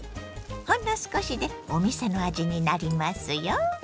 ほんの少しでお店の味になりますよ。